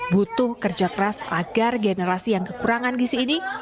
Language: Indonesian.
butuh kerja keras agar generasi yang kekurangan gizi ini